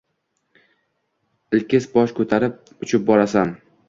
Ilkis bosh ko’tarib, uchib borasan.